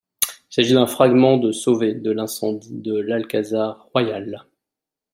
Il s'agit d'un fragment de sauvé de l'incendie de l'Alcazar royal.